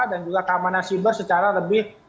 dan juga keamanan siber secara lebih